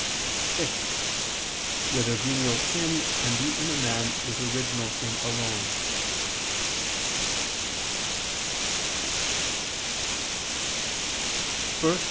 (6) Whether venial sin can be in a man with original sin alone?